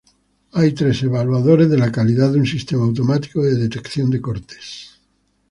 Hay tres evaluadores de la calidad de un sistema automático de detección de cortes.